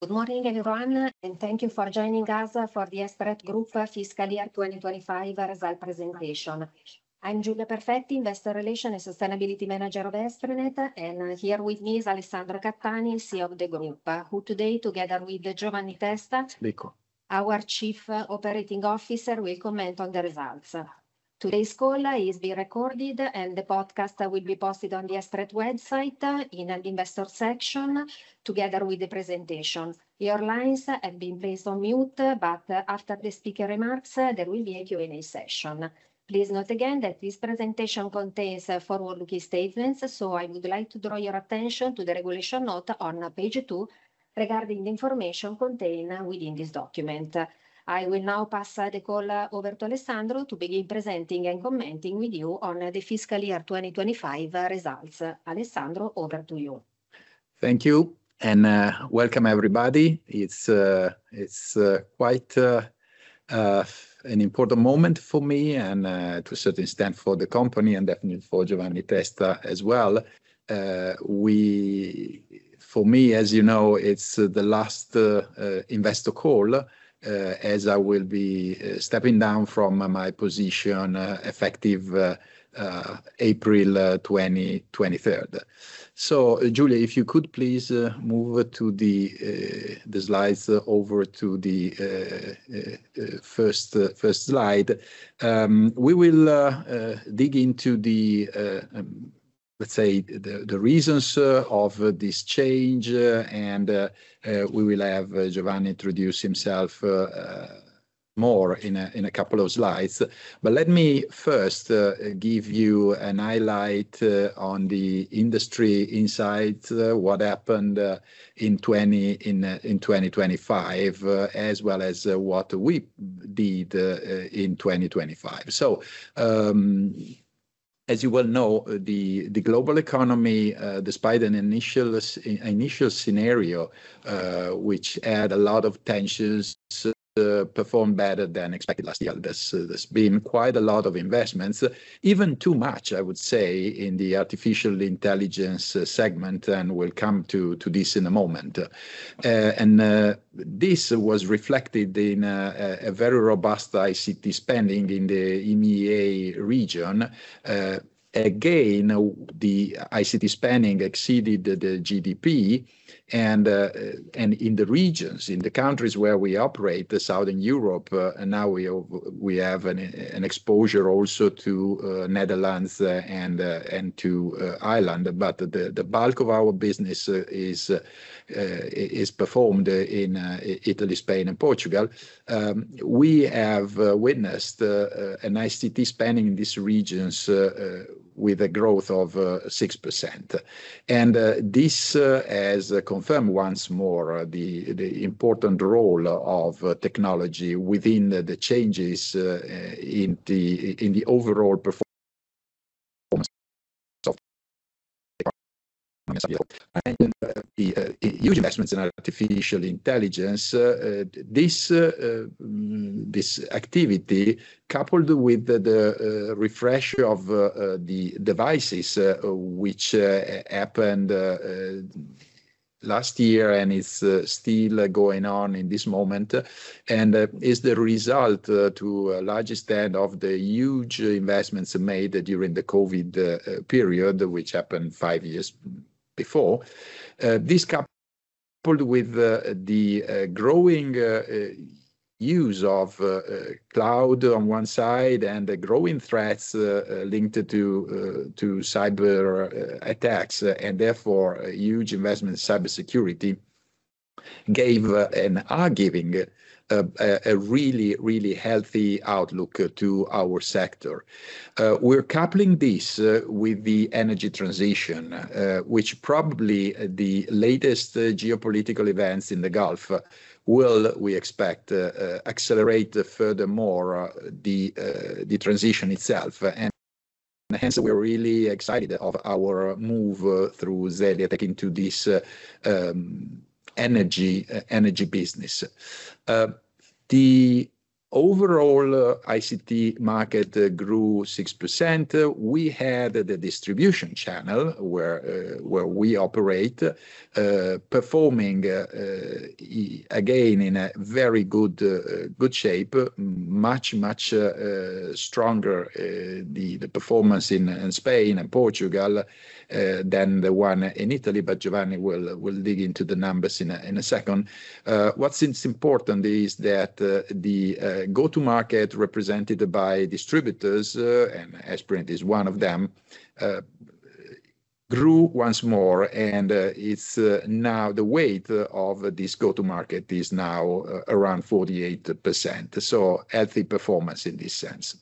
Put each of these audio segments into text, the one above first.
Good morning, everyone, and thank you for joining us for the Esprinet Group FY25 results presentation. I'm Giulia Perfetti, Investor Relations and Sustainability Manager of Esprinet. Here with me is Alessandro Cattani, CEO of the group, who today, together with Giovanni Testa. Lico. Our Chief Operating Officer will comment on the results. Today's call is being recorded, and the podcast will be posted on the Esprinet website in our investor section together with the presentation. Your lines have been placed on mute, but after the speaker remarks, there will be a Q&A session. Please note again that this presentation contains forward-looking statements, so I would like to draw your attention to the regulatory note on page two regarding the information contained within this document. I will now pass the call over to Alessandro to begin presenting and commenting with you on the FY25 results. Alessandro, over to you. Thank you, and welcome everybody. It's quite an important moment for me and to a certain extent for the company and definitely for Giovanni Testa as well. For me, as you know, it's the last investor call as I will be stepping down from my position effective April 2023. Giulia, if you could please move to the slides over to the first slide. We will dig into, let's say, the reasons of this change, and we will have Giovanni introduce himself more in a couple of slides. Let me first give you a highlight on the industry insight what happened in 2025 as well as what we did in 2025. As you well know, the global economy despite an initial scenario which had a lot of tensions performed better than expected last year. There's been quite a lot of investments, even too much, I would say, in the artificial intelligence segment, and we'll come to this in a moment. And this was reflected in a very robust ICT spending in the EMEA region. Again, the ICT spending exceeded the GDP and in the regions, in the countries where we operate, Southern Europe, now we have an exposure also to Netherlands and to Ireland. But the bulk of our business is performed in Italy, Spain, and Portugal. We have witnessed an ICT spending in these regions with a growth of 6%. This has confirmed once more the important role of technology within the changes in the overall performance of the economy as a whole. The huge investments in artificial intelligence, this activity, coupled with the refresh of the devices, which happened last year and is still going on in this moment, and is the result to a large extent of the huge investments made during the COVID period, which happened five years before. This, coupled with the growing use of cloud on one side and the growing threats linked to cyber attacks, and therefore, a huge investment in cybersecurity gave and are giving a really healthy outlook to our sector. We're coupling this with the energy transition, which probably the latest geopolitical events in the Gulf will, we expect, accelerate furthermore the transition itself. Hence, we're really excited about our move through Zeliatech into this energy business. The overall ICT market grew 6%. We had the distribution channel where we operate performing again in a very good shape. Much stronger the performance in Spain and Portugal than the one in Italy, but Giovanni will dig into the numbers in a second. What's important is that the go-to-market represented by distributors and Esprinet is one of them grew once more, and it's now the weight of this go-to-market is now around 48%, so healthy performance in this sense.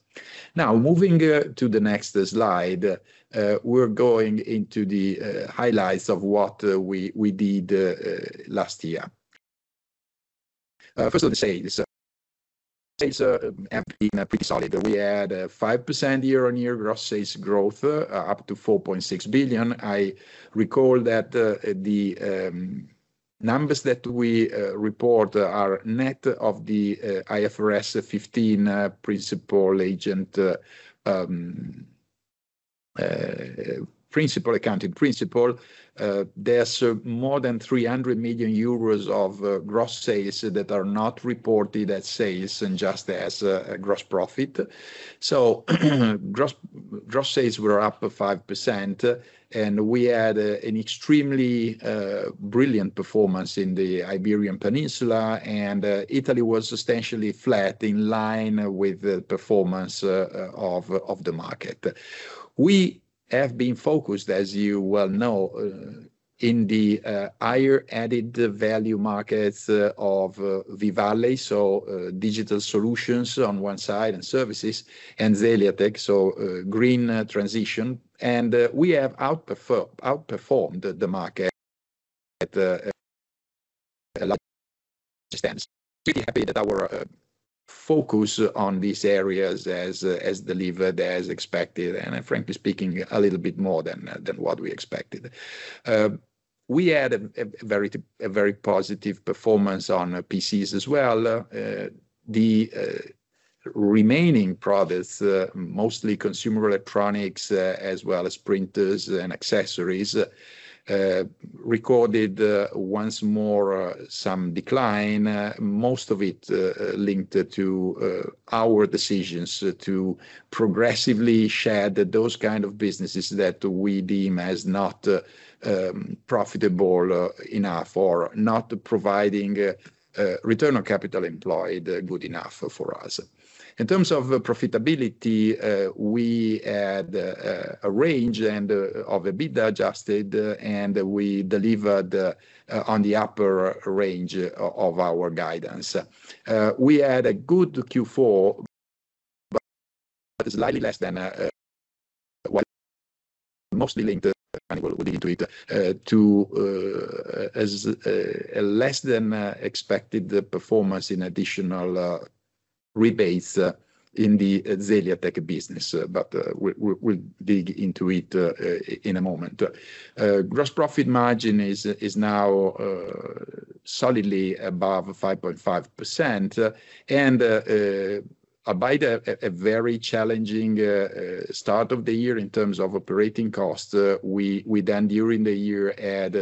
Now, moving to the next slide, we're going into the highlights of what we did last year. First, the sales have been pretty solid. We had a 5% year-over-year gross sales growth up to 4.6 billion. I recall that the numbers that we report are net of the IFRS 15 principal-agent accounting principle. There's more than 300 million euros of gross sales that are not reported as sales and just as gross profit. Gross sales were up by 5%, and we had an extremely brilliant performance in the Iberian Peninsula, and Italy was substantially flat in line with the performance of the market. We have been focused, as you well know, in the higher added value markets of V-Valley, so digital solutions on one side and services, and Zeliatech, so green transition, and we have outperformed the market at a large extent. Pretty happy that our focus on these areas has delivered as expected, and frankly speaking, a little bit more than what we expected. We had a very positive performance on PCs as well. The remaining products, mostly consumer electronics, as well as printers and accessories, recorded once more some decline, most of it linked to our decisions to progressively shed those kind of businesses that we deem as not profitable enough or not providing return on capital employed good enough for us. In terms of profitability, we had a range of Adjusted EBITDA, and we delivered on the upper range of our guidance. We had a good Q4 but slightly less than expected, mostly linked to a less than expected performance in additional rebates in the Zeliatech business, but we'll dig into it in a moment. Gross profit margin is now solidly above 5.5%, and despite a very challenging start of the year in terms of operating costs, we then during the year had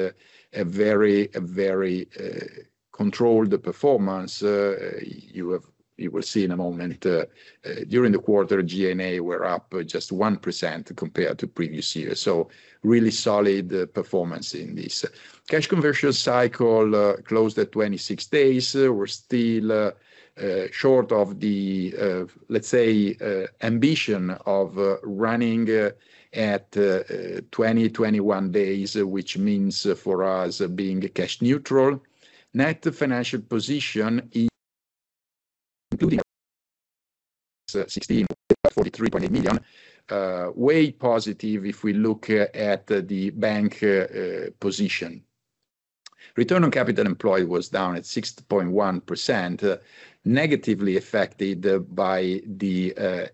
a very controlled performance. You will see in a moment, during the quarter, G&A were up just 1% compared to previous year. Really solid performance in this. Cash conversion cycle closed at 26 days. We're still short of the, let's say, ambition of running at 20-21 days, which means for us being cash neutral. Net financial position, including 16.4 million- 3.8 million, way positive if we look at the bank position. Return on capital employed was down at 6.1%, negatively affected by the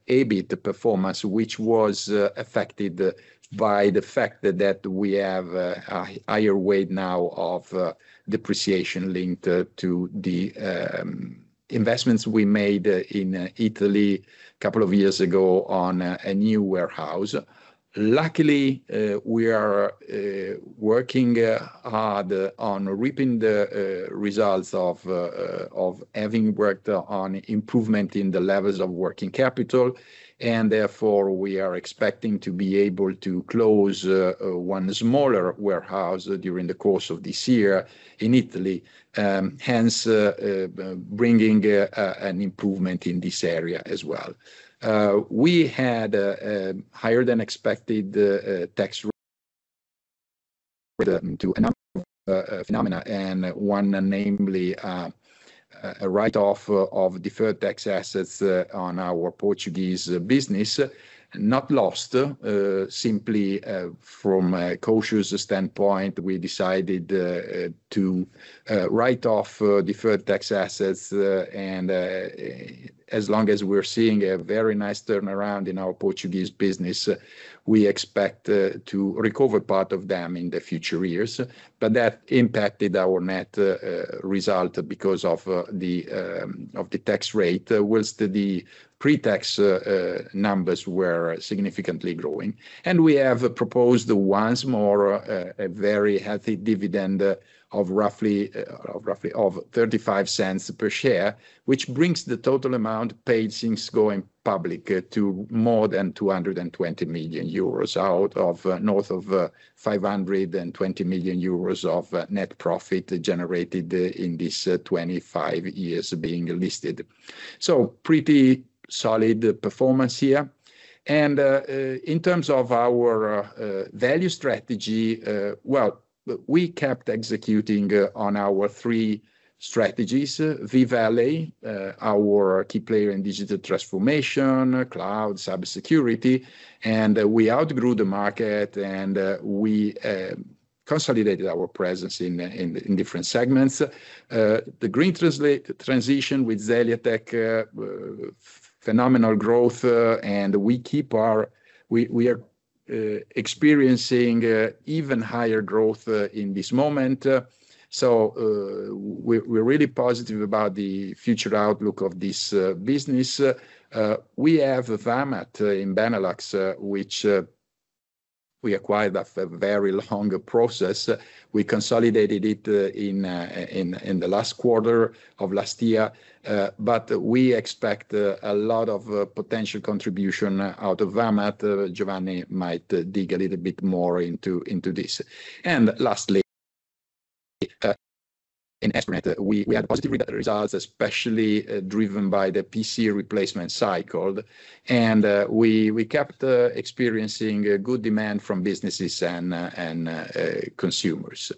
EBIT performance, which was affected by the fact that we have a higher weight now of depreciation linked to the investments we made in Italy a couple of years ago on a new warehouse. Luckily, we are working hard on reaping the results of having worked on improvement in the levels of working capital, and therefore, we are expecting to be able to close one smaller warehouse during the course of this year in Italy, hence bringing an improvement in this area as well. We had a higher than expected tax rate due to a number of phenomena, and one, namely, a write-off of deferred tax assets on our Portuguese business, not lost, simply from a cautious standpoint, we decided to write off deferred tax assets. As long as we're seeing a very nice turnaround in our Portuguese business, we expect to recover part of them in the future years. That impacted our net result because of the tax rate, while the pre-tax numbers were significantly growing. We have proposed once more a very healthy dividend of roughly 0.35 per share, which brings the total amount paid since going public to more than 220 million euros out of north of 520 million euros of net profit generated in this 25 years being listed. Pretty solid performance here. In terms of our value strategy, well, we kept executing on our three strategies. V-Valley, our key player in digital transformation, cloud, cybersecurity, and we outgrew the market, and we consolidated our presence in different segments. The green transition with Zeliatech, phenomenal growth, and we are experiencing even higher growth in this moment. We're really positive about the future outlook of this business. We have Vamat in Benelux, which we acquired a very long process. We consolidated it in the last quarter of last year. We expect a lot of potential contribution out of Vamat. Giovanni might dig a little bit more into this. Lastly, in Esprinet we had positive results, especially driven by the PC replacement cycle, and we kept experiencing a good demand from businesses and consumers.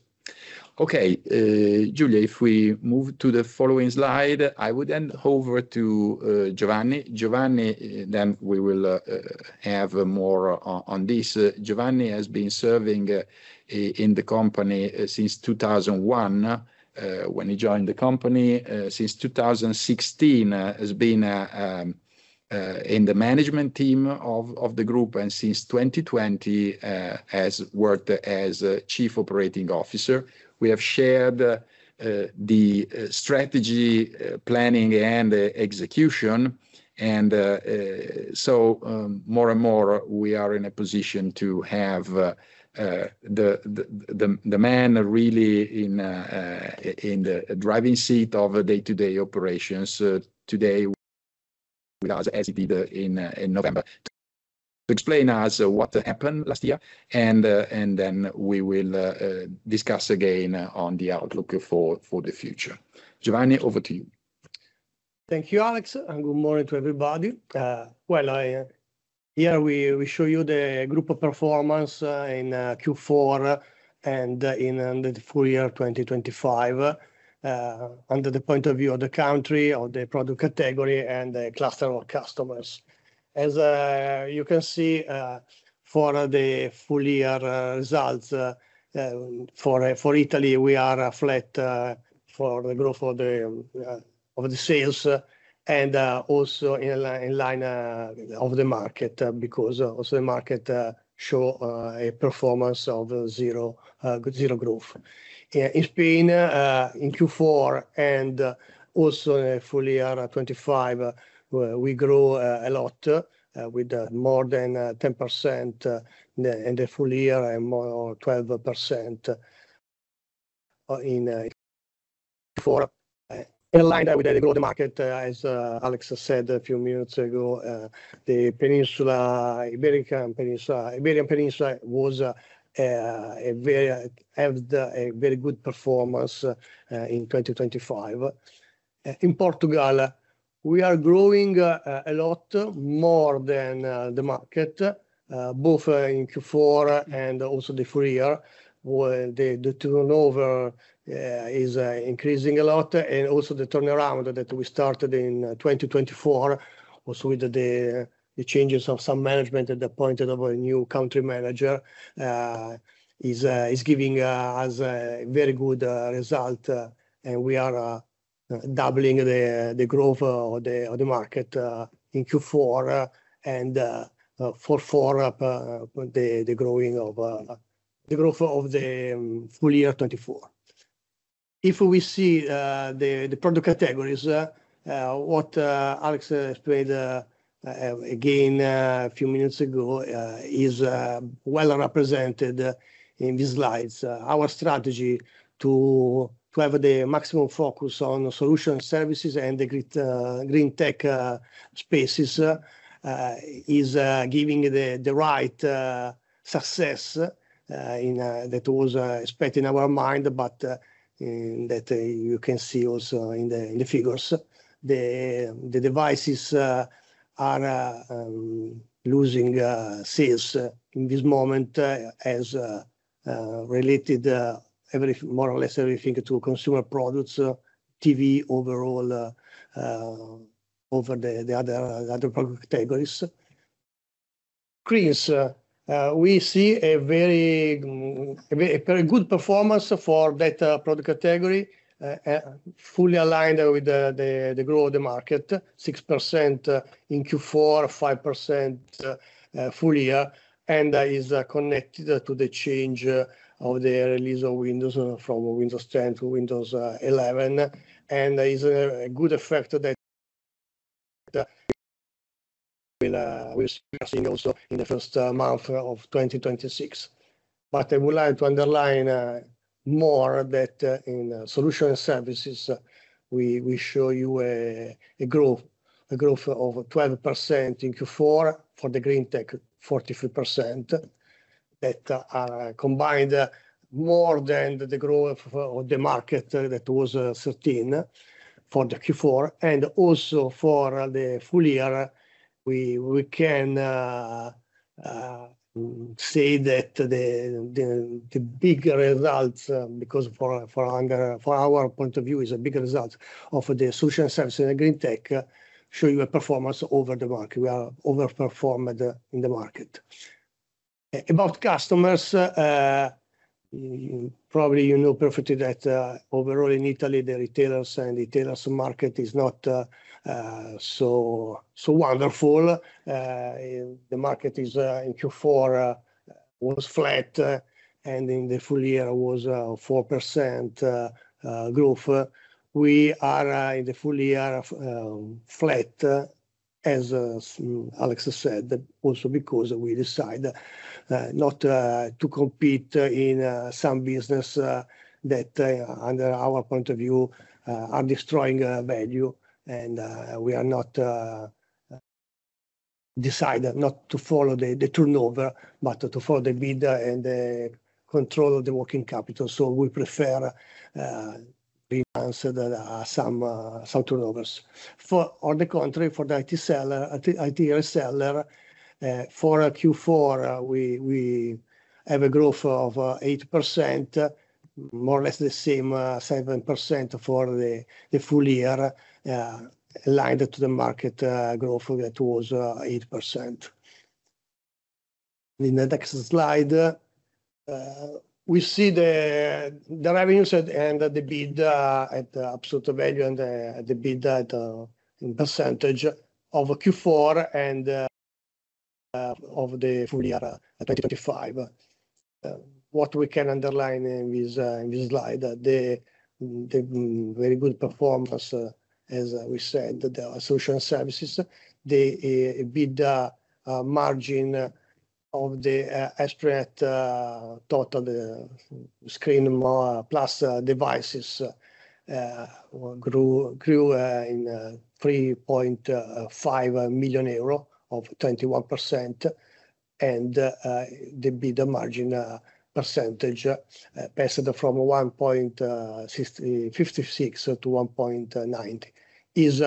Okay. Giulia, if we move to the following slide, I would hand over to Giovanni. Giovanni Testa, we will have more on this. Giovanni Testa has been serving in the company since 2001, when he joined the company. Since 2016, has been in the management team of the group, and since 2020, has worked as Chief Operating Officer. We have shared the strategy planning and the execution, and so more and more we are in a position to have the man really in the driving seat of day-to-day operations today with us as he did in November to explain us what happened last year, and then we will discuss again on the outlook for the future. Giovanni Testa, over to you. Thank you, Alessandro, and good morning to everybody. Here we show you the group performance in Q4 and in the full-year 2025 from the point of view of the country or the product category and the cluster of customers. As you can see, for the full-year results, for Italy, we are flat for the growth of the sales and also in line with the market, because the market show a performance of zero growth. In Spain, in Q4 and also in full-year 2025, we grow a lot, with more than 10% in the full-year and more 12% in line with the global market, as Alessandro Cattani said a few minutes ago. The Iberian Peninsula had a very good performance in 2025. In Portugal, we are growing a lot more than the market, both in Q4 and also the full-year, where the turnover is increasing a lot. Also the turnaround that we started in 2024, also with the changes of some management with the appointment of a new country manager, is giving us a very good result, and we are doubling the growth of the market in Q4 and for the growth of the full-year 2024. If we see the product categories, what Alessandro explained again a few minutes ago is well represented in these slides. Our strategy to have the maximum focus on solution services and the green tech spaces is giving the right success in what was expected in our mind, and that you can see also in the figures. The devices are losing sales in this moment as related more or less everything to consumer products, TV overall, over the other product categories. Screens, we see a very good performance for that product category, fully aligned with the growth of the market, 6% in Q4, 5%, full-year, and is connected to the change of the release of Windows from Windows 10 to Windows 11, and is a good effect that we're seeing also in the first month of 2026. I would like to underline more that in solution services we show you a growth of 12% in Q4. For the green tech 43% that are combined more than the growth of the market that was 13% for the Q4, and also for the full-year we can say that the big results, because for our point of view is a big result of the solution services in the green tech show you a performance over the market. We are overperformed in the market. About customers, you probably know perfectly that overall in Italy, the retailers market is not so wonderful. The market in Q4 was flat, and in the full-year was 4% growth. We are in the full-year flat. As Alex said, also because we decided not to compete in some business that under our point of view are destroying value and we decided not to follow the turnover, but to follow the EBIT and the control of the working capital. We prefer to sacrifice some turnover. On the contrary, for the IT reseller for Q4 we have a growth of 8%, more or less the same, 7% for the full-year, aligned to the market growth that was 8%. In the next slide, we see the revenues and the EBIT at absolute value and the EBIT in percentage of Q4 and of the full-year 2025. What we can underline in this slide, the very good performance, as we said, the solution services, the EBIT margin of the Esprinet total screen plus devices grew in 3.5 million euro of 21%. The EBIT margin percentage passed from 1.65% to 1.9%, is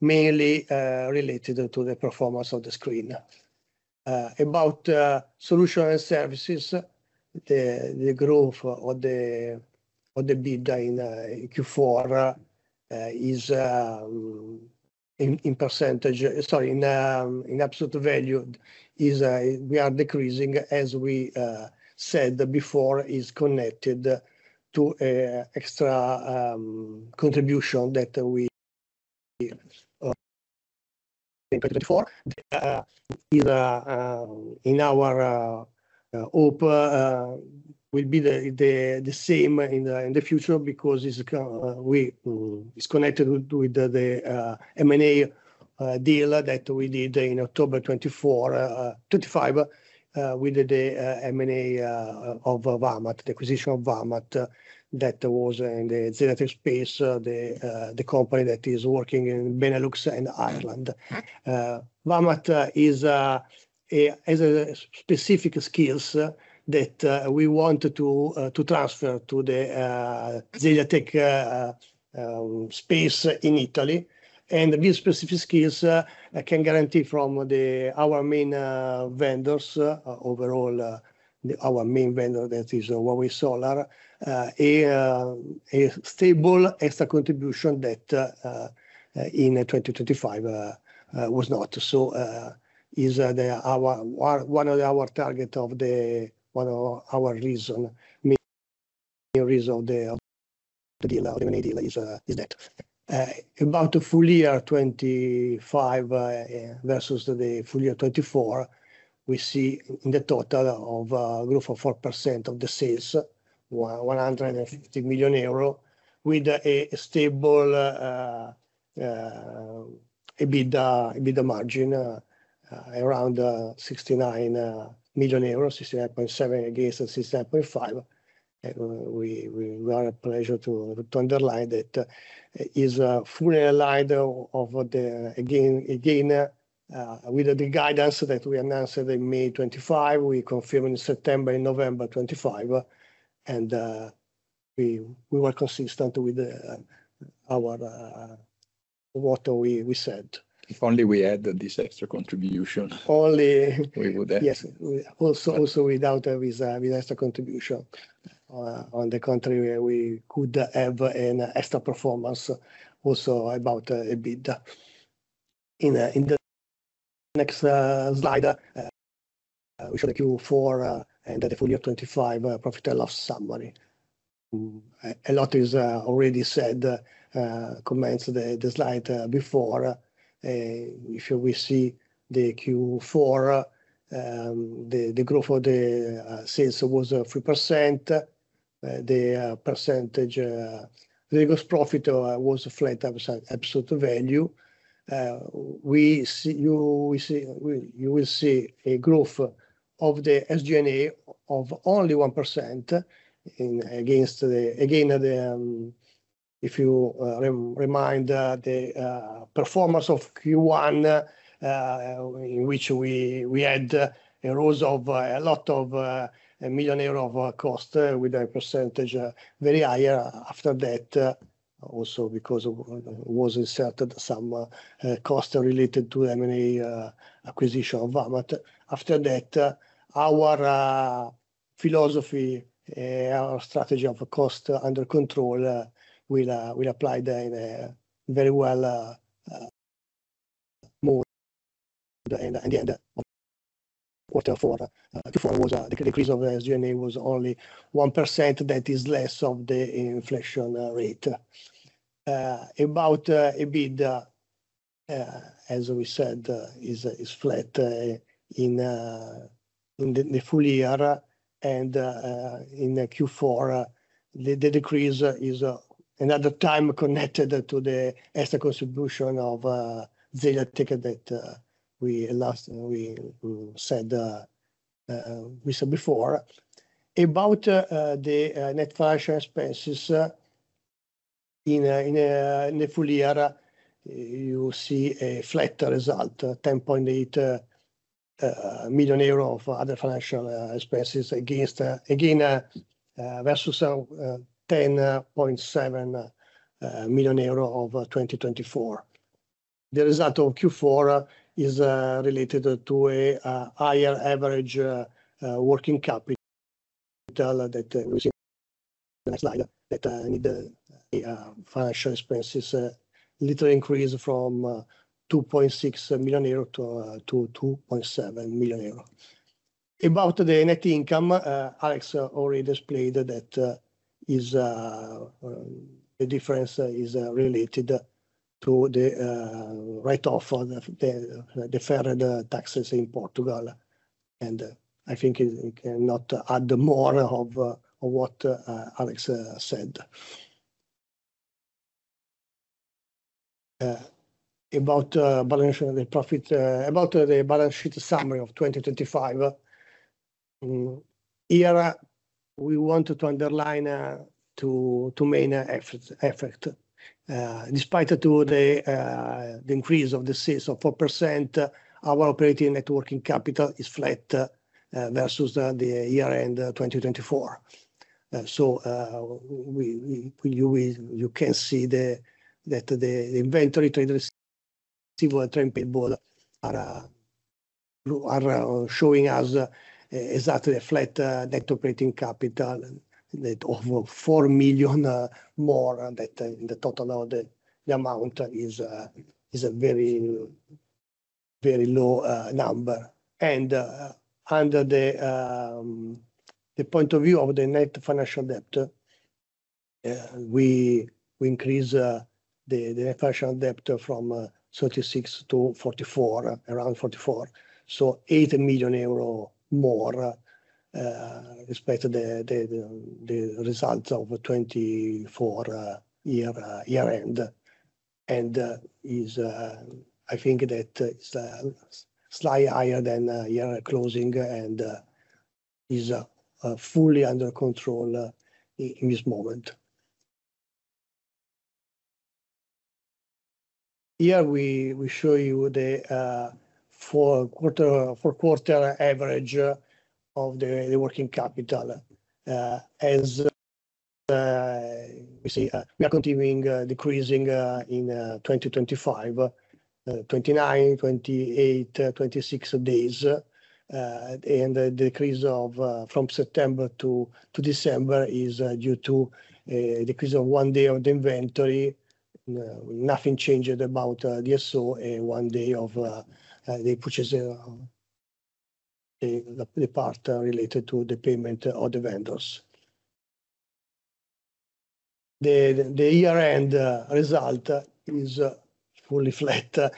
mainly related to the performance of the screen. About solution and services, the growth of the EBIT in Q4 is in percentage. Sorry. In absolute value, we are decreasing, as we said before, is connected to an extra contribution that we before is in our hope will be the same in the future because it's connected with the M&A deal that we did in October 2024-2025. We did an M&A of Vamat, the acquisition of Vamat that was in the Zeliatech space, the company that is working in Benelux and Ireland. Vamat has specific skills that we want to transfer to the Zeliatech space in Italy. These specific skills can guarantee from our main vendors overall our main vendor that is Huawei FusionSolar a stable extra contribution that in 2025 was not. One of our target of the one of our reason main reason of the deal the M&A deal is that. About the full-year 2025 versus the full-year 2024 we see in the total of growth of 4% of the sales 150 million euro with a stable EBITDA margin around 69 million euros 69.7 against 67.5. We are pleased to underline that it is fully aligned with the guidance that we announced in May 2025, we confirmed in September, in November 2025. We were consistent with what we said. If only we had this extra contribution. Only. We would have. Yes. We also without extra contribution. On the contrary, we could have an extra performance also about EBITDA. In the next slide, we show the Q4 and the full-year 2025 profit and loss summary. A lot is already said in comments to the slide before. If we see the Q4, the growth of the sales was 3%, the gross profit percentage was flat in absolute value. You will see a growth of the SG&A of only 1% as against the, again, if you remind the performance of Q1, in which we had a rise of 1 million euro of cost with a percentage very high after that, also because was inserted some cost related to M&A acquisition of Vamat. After that, our philosophy, our strategy of cost under control will apply very well more at the end of quarter four. Before was a decrease of SG&A was only 1%. That is less than the inflation rate. About EBITDA, as we said, is flat in the full-year and in the Q4, the decrease is another time connected to the extra contribution of Zeliatech that we said before. About the net financial expenses in the full-year, you see a flat result, 10.8 million euros of other financial expenses against, again, versus 10.7 million euros of 2024. The result of Q4 is related to a higher average working capital that we see next slide that the financial expenses little increase from 2.6 million-2.7 million euro. About the net income, Alex already displayed that the difference is related to the write-off of the deferred taxes in Portugal, and I think we cannot add more of what Alex said. About the balance sheet summary of 2025. Here we wanted to underline two main effects. Despite the increase of the sales of 4%, our operating net working capital is flat versus the year-end 2024. You can see that the inventory, trade receivable and trade payable are showing us exactly a flat net operating capital of 4 million. Moreover, the total of the amount is a very low number. Under the point of view of the net financial debt, we increase the financial debt from 36 to 44, around 44. 8 million euro more, despite the results of 2024 year-end. I think that it's slightly higher than year closing and is fully under control in this moment. Here we show you the four-quarter average of the working capital. As we see, we are continuing decreasing in 2025, 29, 28, 26 days. The decrease from September to December is due to a decrease of one day of the inventory. Nothing changed about the DSO, and one day of the purchase, the part related to the payment of the vendors. The year-end result is fully flat at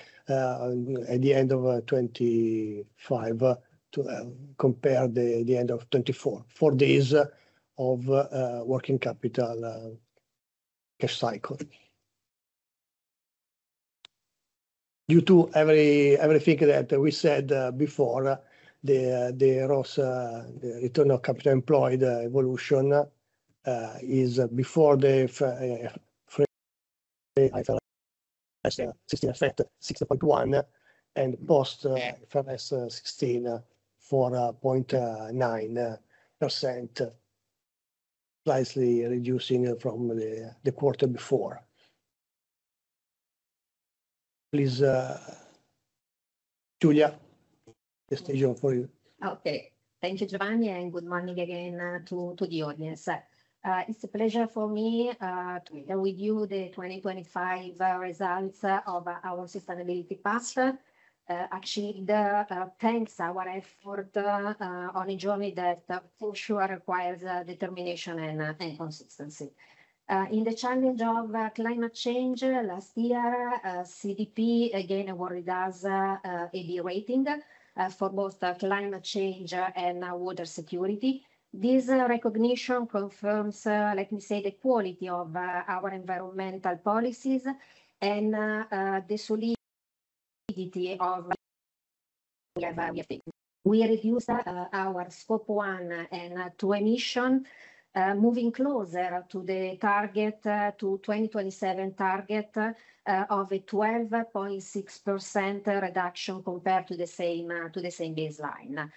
the end of 2025 to compare the end of 2024. Four days of working capital, cash cycle. Due to everything that we said before, the ROCE, the return on capital employed evolution, is before the IFRS 16, 66.1% and post IFRS 16, 4.9%, slightly reducing from the quarter before. Please, Giulia, the stage for you. Okay. Thank you, Giovanni, and good morning again to the audience. It's a pleasure for me to be here with you the 2025 results of our sustainability path. Actually, it's a journey that for sure requires determination and consistency. In the challenge of climate change, last year, CDP again awarded us a B rating for both climate change and water security. This recognition confirms, let me say, the quality of our environmental policies and the solidity of. We reduced our scope 1 and 2 emissions, moving closer to the 2027 target of a 12.6% reduction compared to the baseline.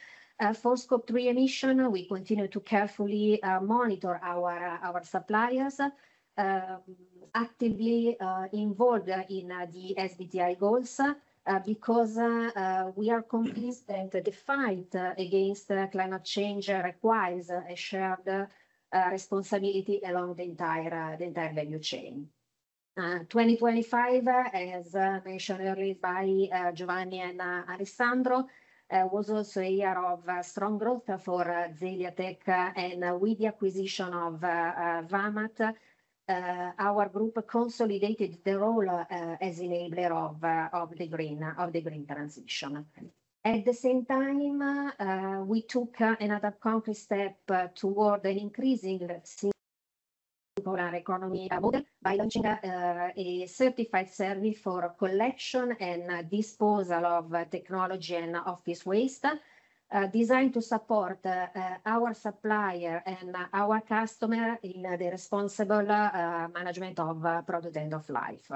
For Scope 3 emission, we continue to carefully monitor our suppliers actively involved in the SBTi goals, because we are convinced that the fight against climate change requires a shared responsibility along the entire value chain. 2025, as mentioned earlier by Giovanni and Alessandro, was also a year of strong growth for Zeliatech, and with the acquisition of Vamat, our group consolidated the role as enabler of the green transition. At the same time, we took another concrete step toward an increasingly sustainable economy model by launching a certified service for collection and disposal of technology and office waste, designed to support our supplier and our customer in the responsible management of product end of life.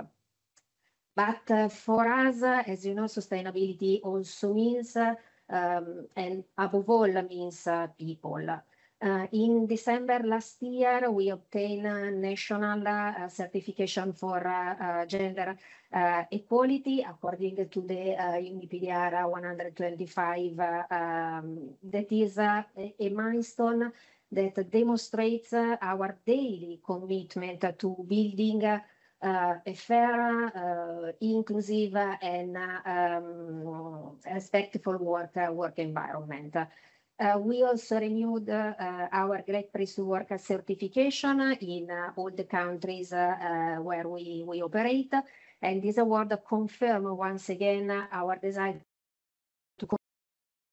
For us, as you know, sustainability also means, and above all means people. In December last year, we obtained a national certification for gender equality according to the UNI/PdR 125. That is a milestone that demonstrates our daily commitment to building a fair, inclusive and respectful work environment. We also renewed our Great Place to Work certification in all the countries where we operate. This award confirm once again our desire to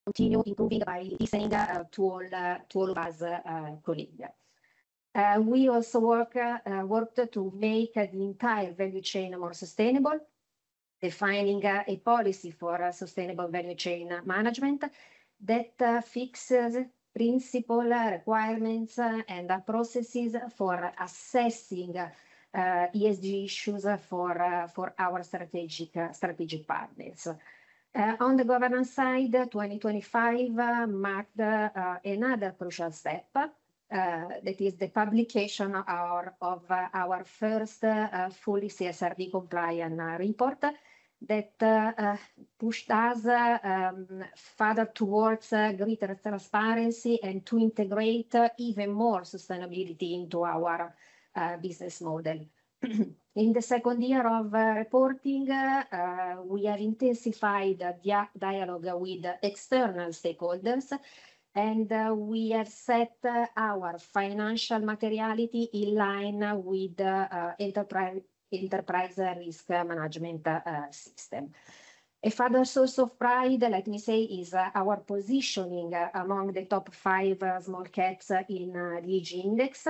continue improving by listening to all of us colleague. We also worked to make the entire value chain more sustainable, defining a policy for a sustainable value chain management that fixes principle requirements and processes for assessing ESG issues for our strategic partners. On the governance side, 2025 marked another crucial step, that is the publication of our first fully CSRD-compliant report that pushed us further towards greater transparency and to integrate even more sustainability into our business model. In the second year of reporting, we have intensified the dialogue with external stakeholders, and we have set our financial materiality in line with the enterprise risk management system. A further source of pride, let me say, is our positioning among the top five small caps in LEAD index,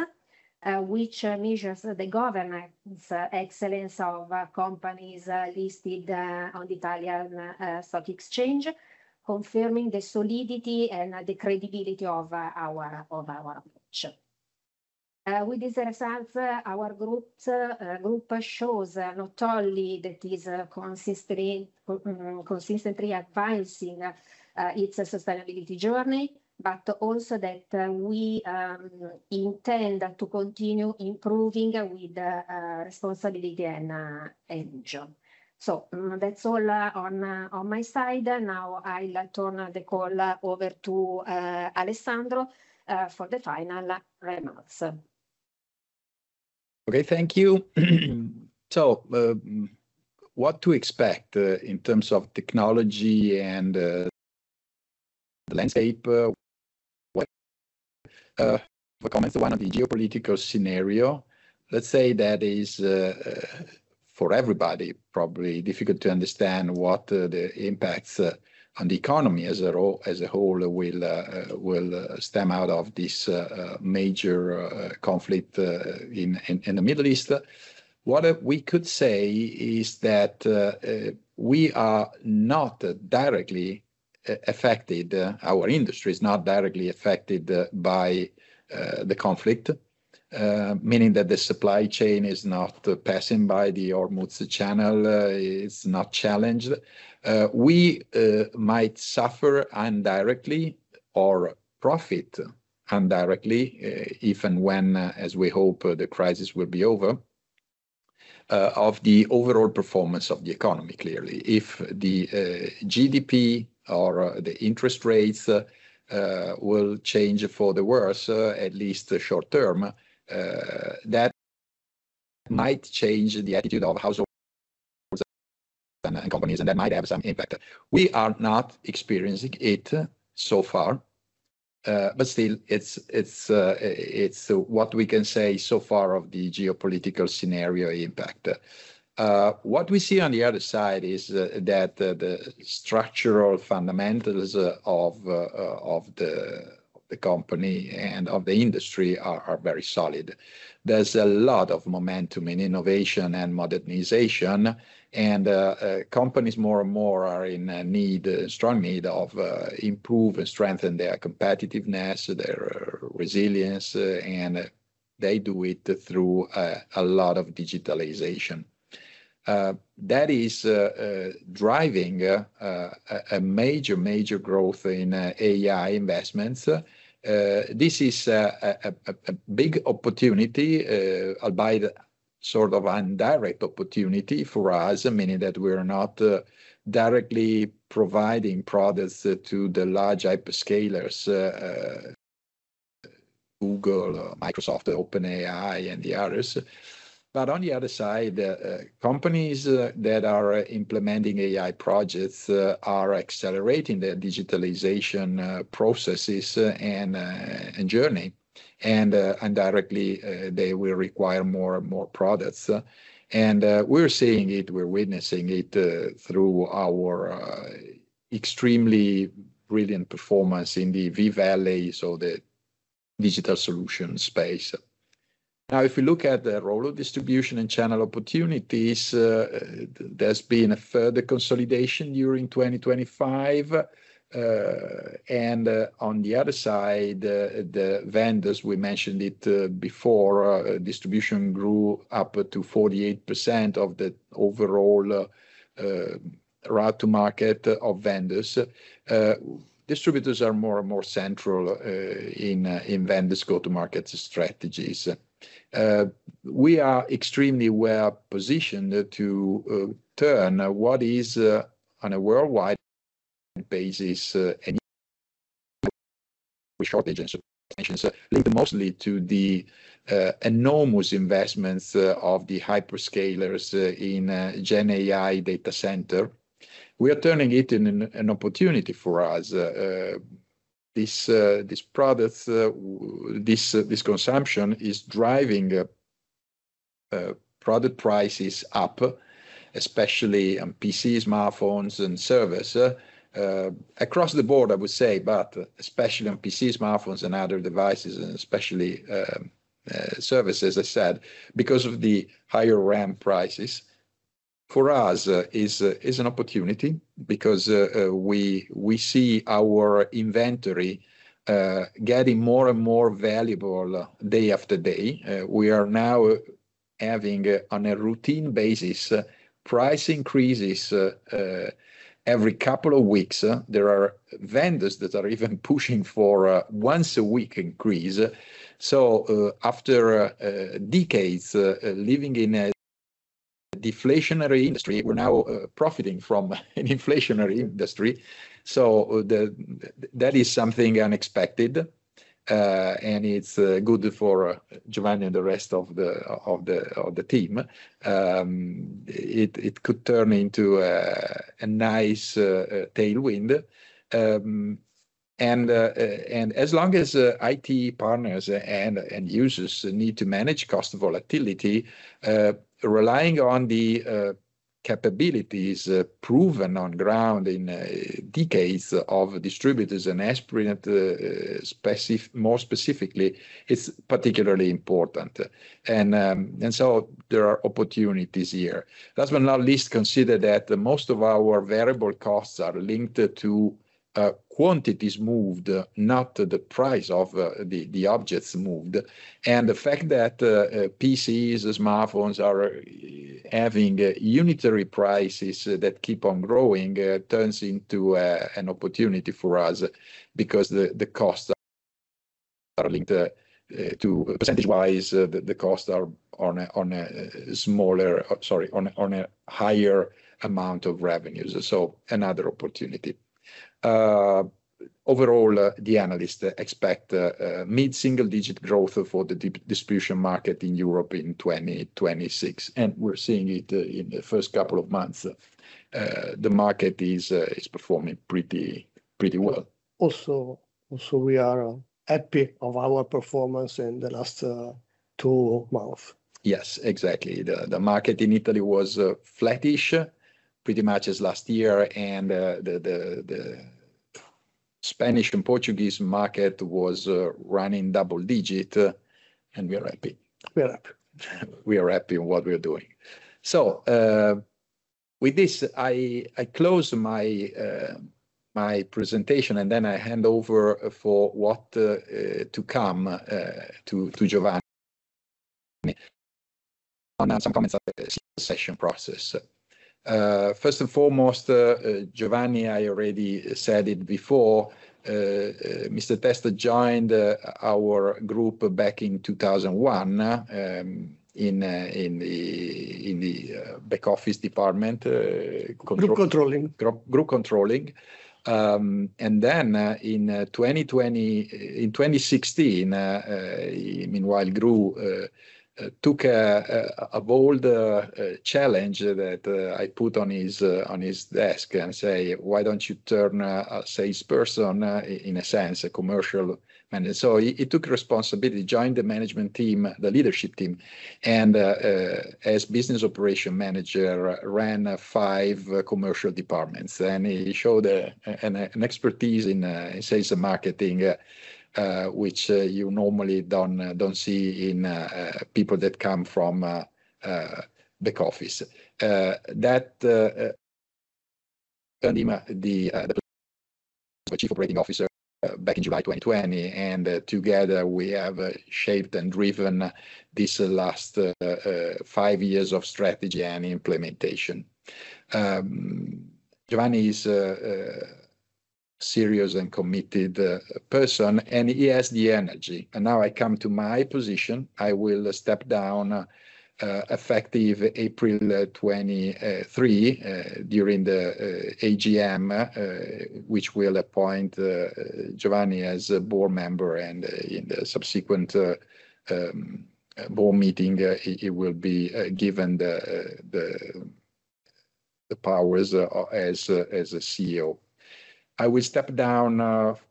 which measures the governance excellence of companies listed on the Italian stock exchange, confirming the solidity and the credibility of our approach. With these results, our group shows not only that is consistently advancing its sustainability journey, but also that we intend to continue improving with responsibility and ambition. That's all on my side. Now I'll turn the call over to Alessandro for the final remarks. Okay. Thank you. What to expect in terms of technology and the landscape, what comments on the geopolitical scenario, let's say that is for everybody probably difficult to understand what the impacts on the economy as a whole will stem out of this major conflict in the Middle East. What we could say is that we are not directly affected. Our industry is not directly affected by the conflict, meaning that the supply chain is not passing by the Strait of Hormuz. It's not challenged. We might suffer indirectly or profit indirectly if and when, as we hope, the crisis will be over of the overall performance of the economy clearly. If the GDP or the interest rates will change for the worse, at least short term, that might change the attitude of household and companies, and that might have some impact. We are not experiencing it so far, but still it's what we can say so far of the geopolitical scenario impact. What we see on the other side is that the structural fundamentals of the company and of the industry are very solid. There's a lot of momentum in innovation and modernization, and companies more and more are in need strong need of improve and strengthen their competitiveness, their resilience, and they do it through a lot of digitalization. That is driving a major growth in AI investments. This is a big opportunity, albeit sort of indirect opportunity for us, meaning that we're not directly providing products to the large hyperscalers, Google, Microsoft, OpenAI and the others. On the other side, companies that are implementing AI projects are accelerating their digitalization processes and journey. Indirectly, they will require more and more products. We're seeing it, we're witnessing it through our extremely brilliant performance in the V-Valley, so the digital solution space. Now if you look at the role of distribution and channel opportunities, there's been a further consolidation during 2025. On the other side, the vendors, we mentioned it before, distribution grew up to 48% of the overall route to market of vendors. Distributors are more and more central in vendors go-to-market strategies. We are extremely well-positioned to turn what is on a worldwide basis shortages linked mostly to the enormous investments of the hyperscalers in GenAI data center. We are turning it in an opportunity for us. This consumption is driving product prices up, especially on PCs, smartphones and servers. Across the board, I would say, but especially on PCs, smartphones and other devices, and especially servers, as I said, because of the higher RAM prices. For us is an opportunity because we see our inventory getting more and more valuable day after day. We are now having, on a routine basis, price increases every couple of weeks. There are vendors that are even pushing for once-a-week increase. After decades living in a deflationary industry, we're now profiting from an inflationary industry. That is something unexpected, and it's good for Giovanni and the rest of the team. It could turn into a nice tailwind. As long as IT partners and users need to manage cost volatility, relying on the capabilities proven on ground in decades of distributors and Esprinet, more specifically, it's particularly important. There are opportunities here. Last but not least, consider that most of our variable costs are linked to quantities moved, not the price of the objects moved. The fact that PCs and smartphones are having unit prices that keep on growing turns into an opportunity for us because percentage-wise, the costs are on a higher amount of revenues. Another opportunity. Overall, the analysts expect mid-single digit growth for the distribution market in Europe in 2026, and we're seeing it in the first couple of months. The market is performing pretty well. Also we are happy of our performance in the last two month. Yes, exactly. The market in Italy was flattish, pretty much as last year. The Spanish and Portuguese market was running double digit, and we are happy. We are happy. We are happy in what we are doing. With this, I close my presentation, and then I hand over for what to come to Giovanni. Some comments on the succession process. First and foremost, Giovanni, I already said it before, Mr. Testa joined our group back in 2001, in the back office department. Control- Group controlling. Group controlling. In 2016 meanwhile took a bold challenge that I put on his desk and said, "Why don't you turn a salesperson, in a sense, a commercial manager?" He took responsibility, joined the management team, the leadership team, and as business operation manager, ran five commercial departments. He showed an expertise in sales and marketing, which you normally don't see in people that come from back office. The Chief Operating Officer back in July 2020, and together we have shaped and driven this last five years of strategy and implementation. Giovanni is a serious and committed person, and he has the energy. Now I come to my position. I will step down effective April 23 during the AGM, which will appoint Giovanni as a board member and in the subsequent board meeting, he will be given the powers as a CEO. I will step down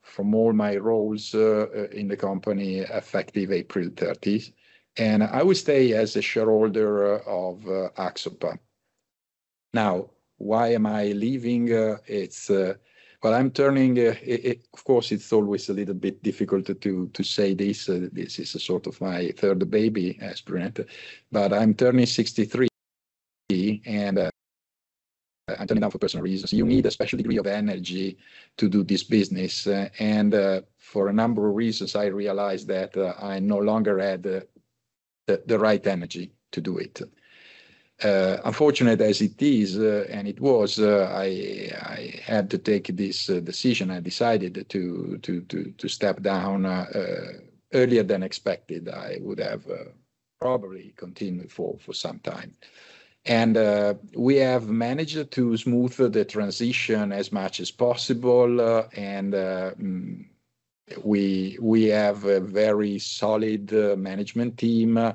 from all my roles in the company effective April 30, and I will stay as a shareholder of Axopa. Now, why am I leaving? Well, of course, it's always a little bit difficult to say this. This is a sort of my third baby, Esprinet, but I'm turning 63, and I'm turning down for personal reasons. You need a special degree of energy to do this business, and for a number of reasons, I realized that I no longer had the right energy to do it. Unfortunate as it is, I had to take this decision. I decided to step down earlier than expected. I would have probably continued for some time. We have managed to smooth the transition as much as possible, and we have a very solid management team.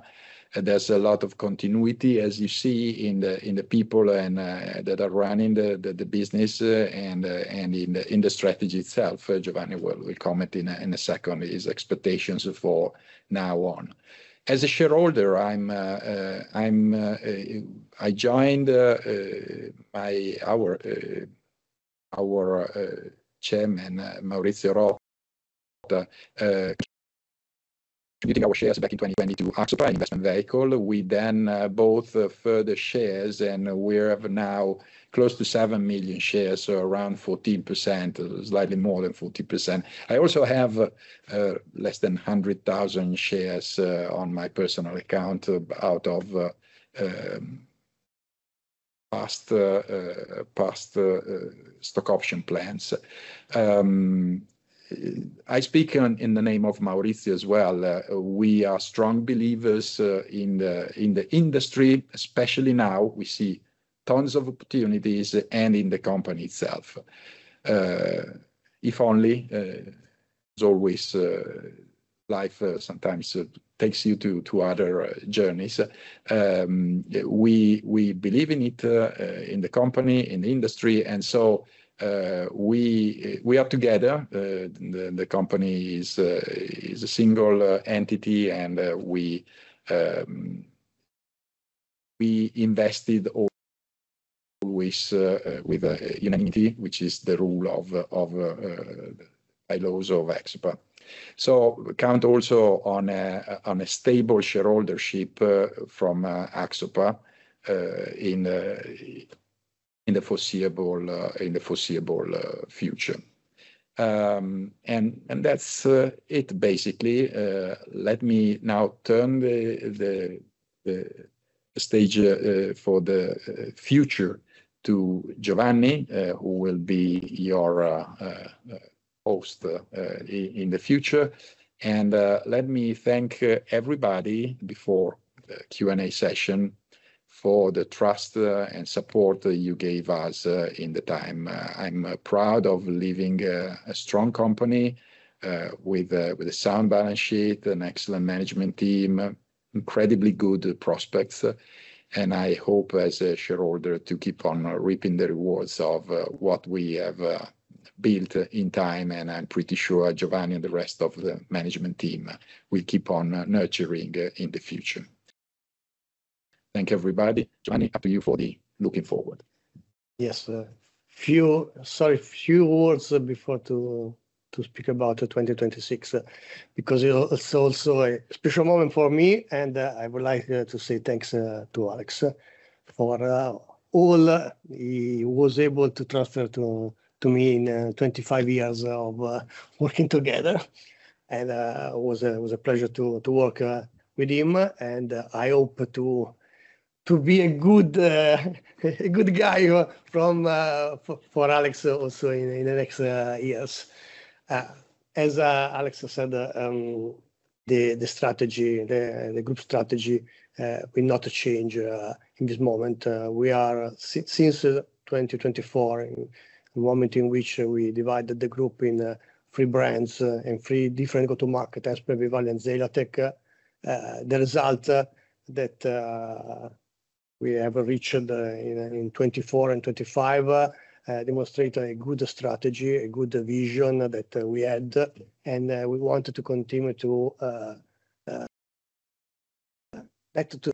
There's a lot of continuity as you see in the people and that are running the business, and in the strategy itself. Giovanni Testa will comment in a second his expectations from now on. As a shareholder, I joined our chairman, Maurizio Rota, contributing our shares back in 2022 Axopa investment vehicle. We then bought further shares, and we have now close to 7 million shares, so around 14%, slightly more than 14%. I also have less than 100,000 shares on my personal account out of past stock option plans. I speak in the name of Maurizio as well. We are strong believers in the industry, especially now we see tons of opportunities and in the company itself. If only, as always, life sometimes takes you to other journeys. We believe in it in the company, in the industry, and so we are together. The company is a single entity, and we invested always with unity, which is the rule of bylaws of Axopa. Count also on a stable shareholdership from Axopa in the foreseeable future. That's it basically. Let me now turn the stage for the future to Giovanni, who will be your host in the future. Let me thank everybody before the Q&A session for the trust and support you gave us in the time. I'm proud of leaving a strong company with a sound balance sheet, an excellent management team, incredibly good prospects. I hope as a shareholder to keep on reaping the rewards of what we have built in time, and I'm pretty sure Giovanni and the rest of the management team will keep on nurturing in the future. Thank you, everybody. Giovanni, up to you for the looking forward. Yes. Few words before to speak about the 2026, because it's also a special moment for me, and I would like to say thanks to Alex for all he was able to transfer to me in 25 years of working together. It was a pleasure to work with him, and I hope to be a good guy for Alex also in the next years. As Alex said, the group strategy will not change in this moment. We are since 2024, the moment in which we divided the group in three brands and three different go-to-market, Esprinet, V-Valley, and Zeliatech, the result that we have reached in 2024 and 2025 demonstrate a good strategy, a good vision that we had, and we wanted to continue to back to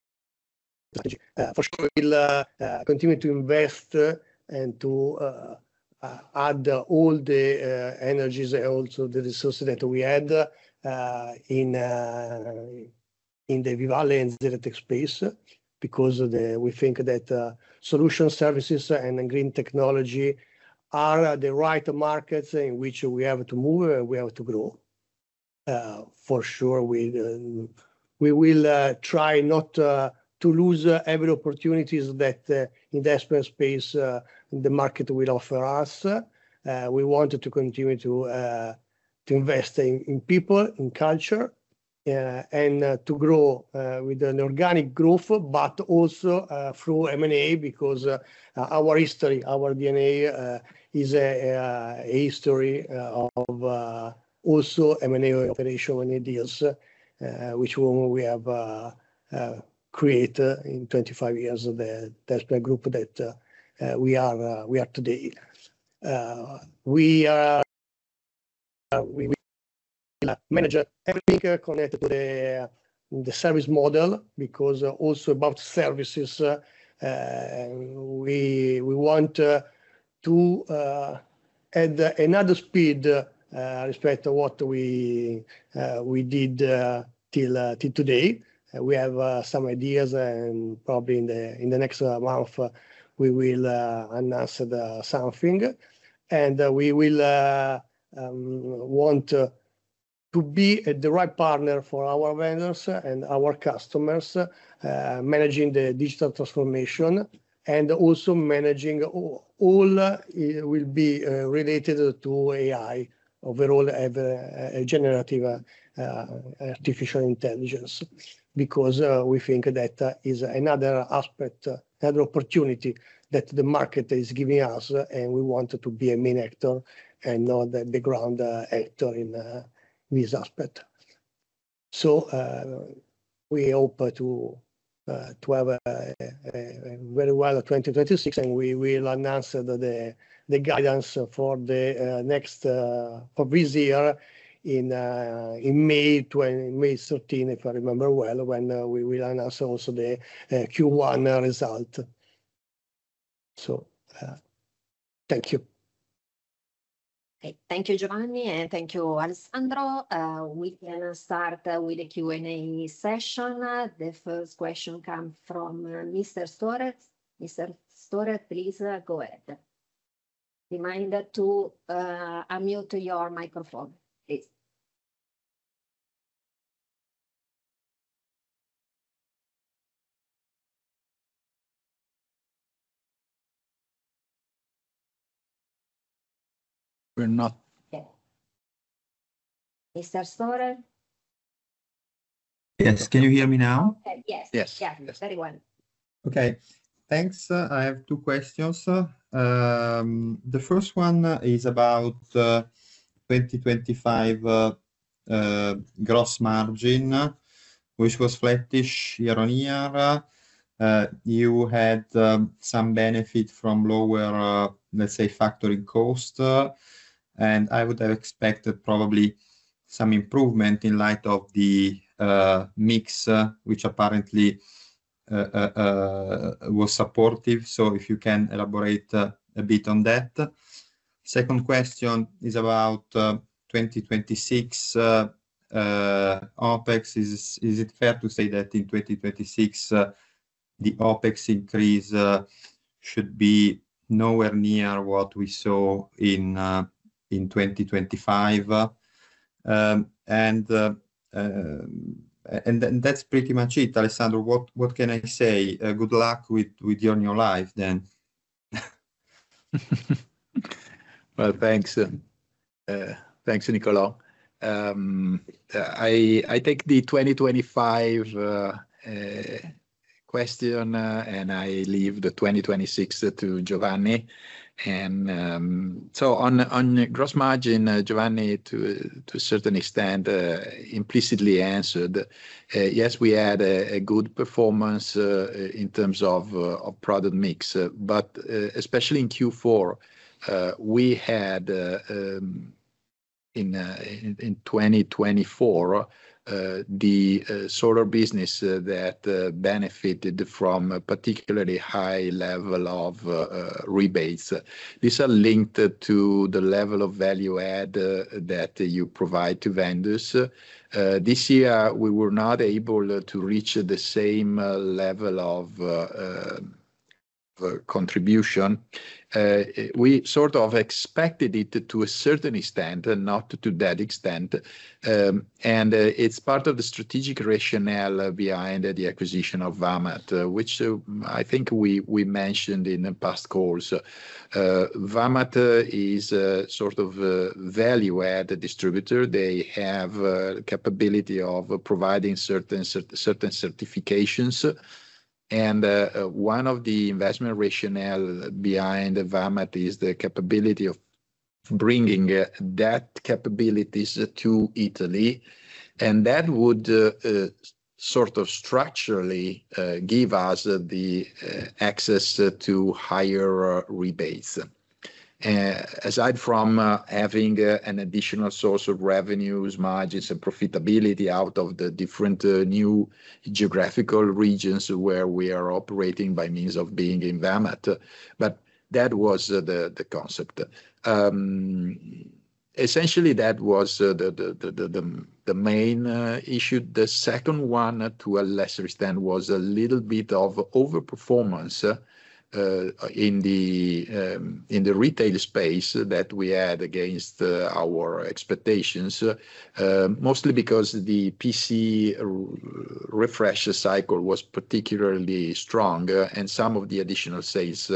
strategy. For sure, we'll continue to invest and to add all the energies and also the resources that we had in the V-Valley and Zeliatech space because we think that solution services and green technology are the right markets in which we have to move and we have to grow. For sure we will try not to lose every opportunities that investment space the market will offer us. We want to continue to invest in people, in culture, and to grow with an organic growth, but also through M&A because our history, our DNA, is a history of also M&A operation, M&A deals which we have created in 25 years of the Esprinet Group that we are today. We will manage everything connected to the service model because also about services, we want to add another speed with respect to what we did till today. We have some ideas and probably in the next month we will announce something, and we will want to be the right partner for our vendors and our customers, managing the digital transformation and also managing all will be related to AI overall have a generative artificial intelligence because we think that is another aspect, another opportunity that the market is giving us, and we want to be a main actor and not the background actor in this aspect. We hope to have a very well 2026, and we will announce the guidance for next year in May 13, if I remember well, when we will announce also the Q1 result. Thank you. Okay. Thank you, Giovanni, and thank you, Alessandro. We can start with a Q&A session. The first question comes from Nicolò Storer. Nicolò Storer, please go ahead. Reminder to unmute your microphone please. We're not- Yeah. Nicolò Storer? Yes. Can you hear me now? Yes. Yes. Yeah. Very well. Okay. Thanks. I have two questions. The first one is about 2025 gross margin, which was flattish year-on-year. You had some benefit from lower, let's say, factory cost, and I would have expected probably some improvement in light of the mix, which apparently was supportive. If you can elaborate a bit on that? Second question is about 2026 OpEx. Is it fair to say that in 2026 the OpEx increase should be nowhere near what we saw in 2025? That's pretty much it. Alessandro, what can I say? Good luck with your new life then. Well, thanks. Thanks, Nicolò. I take the 2025 question, and I leave the 2026 to Giovanni. On gross margin, Giovanni to a certain extent implicitly answered. Yes, we had a good performance in terms of product mix. But especially in Q4, we had in 2024 the solar business that benefited from a particularly high level of rebates. These are linked to the level of value add that you provide to vendors. This year, we were not able to reach the same level of contribution. We sort of expected it to a certain extent and not to that extent, and it's part of the strategic rationale behind the acquisition of Vamat, which I think we mentioned in the past calls. Vamat is a sort of a value-add distributor. They have a capability of providing certain certifications. One of the investment rationale behind Vamat is the capability of bringing that capabilities to Italy, and that would sort of structurally give us the access to higher rebates. Aside from having an additional source of revenues, margins, and profitability out of the different new geographical regions where we are operating by means of being in Vamat. That was the concept. Essentially that was the main issue. The second one, to a lesser extent, was a little bit of overperformance in the retail space that we had against our expectations, mostly because the PC refresh cycle was particularly strong and some of the additional sales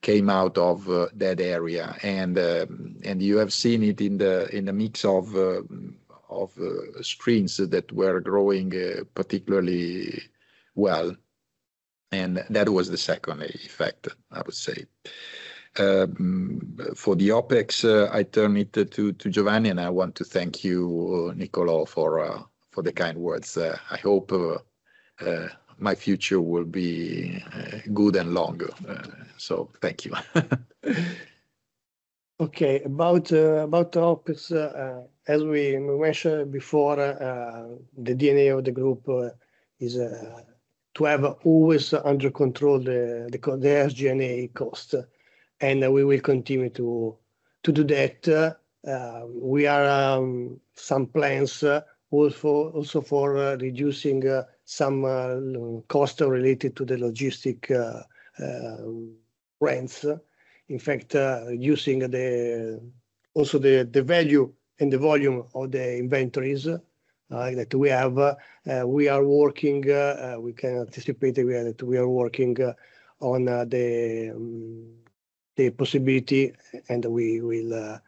came out of that area. You have seen it in the mix of screens that were growing particularly well, and that was the second effect, I would say. For the OpEx, I turn it to Giovanni, and I want to thank you, Nicolò, for the kind words. I hope my future will be good and long. Thank you. Okay, about topics, as we mentioned before, the DNA of the group is to have always under control the SG&A cost, and we will continue to do that. We have some plans also for reducing some cost related to the logistics rents. In fact, using also the value and the volume of the inventories that we have, we can anticipate that we are working on the possibility, and we will